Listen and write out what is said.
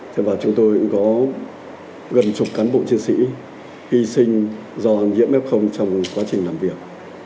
thế và chúng tôi cũng có gần chục cán bộ chiến sĩ hy sinh do nhiễm f trong quá trình làm việc